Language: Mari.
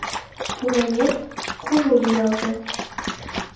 Пурымет «кужу» лиялже